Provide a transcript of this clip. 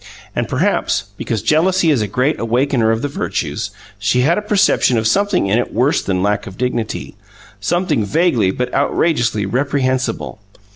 And, perhaps because jealousy is a great awakener of the virtues, she had a perception of something in it worse than lack of dignity something vaguely but outrageously reprehensible.